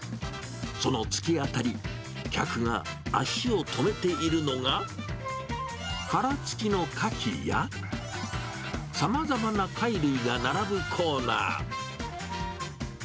その突き当たり、客が足を止めているのが、殻付きのカキや、さまざまな貝類が並ぶコーナー。